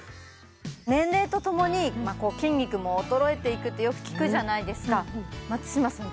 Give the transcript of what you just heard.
年齢とともに筋肉も衰えていくってよく聞くじゃないですか松嶋さん